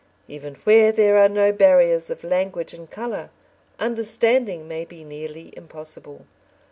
Even where there are no barriers of language and colour, understanding may be nearly impossible.